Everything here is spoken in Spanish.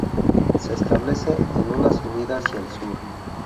Se establece en una subida hacia el sur.